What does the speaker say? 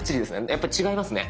やっぱり違いますね。